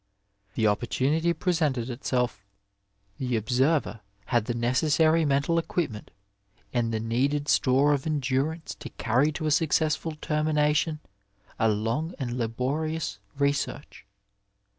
The opportunity presented itself, the observer had the necessary mental equipment and the needed store of endurance to carry to a successful termination a long and laborious research.